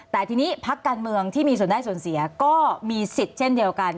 แต่ทีนี้พักการเมืองที่มีส่วนได้ส่วนเสียก็มีสิทธิ์เช่นเดียวกัน